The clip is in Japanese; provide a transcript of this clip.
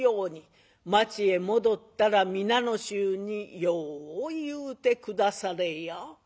町へ戻ったら皆の衆によう言うて下されや」。